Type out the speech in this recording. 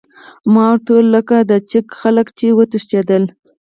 ما ورته وویل: لکه د چیک خلک، چې وتښتېدل.